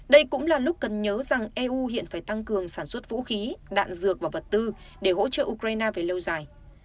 đây cũng là lúc cần nhớ rằng eu hiện phải tăng cường sản xuất vũ khí đạn dược và vật tư để hỗ trợ ukraine về lâu dài